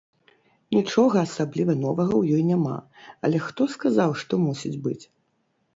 Нічога асабліва новага ў ёй няма, але хто сказаў, што мусіць быць?